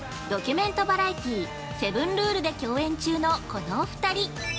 ドキュメントバラエテイ「セブンルール」で共演中のこのお２人。